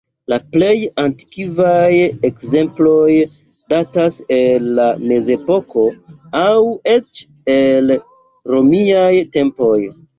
La plej antikvaj ekzemploj datas el la Mezepoko, aŭ eĉ el romiaj tempoj.